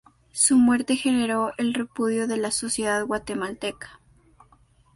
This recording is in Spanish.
Su muerte generó el repudio de la sociedad guatemalteca.